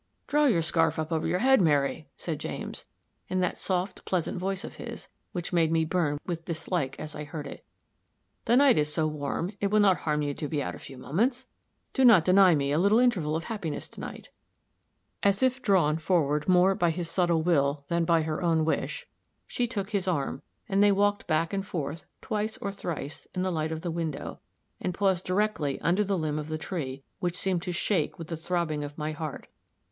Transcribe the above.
"Draw your scarf up over your head, Mary," said James, in that soft, pleasant voice of his, which made me burn with dislike as I heard it "the night is so warm, it will not harm you to be out a few moments. Do not deny me a little interval of happiness to night." As if drawn forward more by his subtle will than by her own wish, she took his arm, and they walked back and forth, twice or thrice, in the light of the window, and paused directly under the limb of the tree, which seemed to shake with the throbbing of my heart.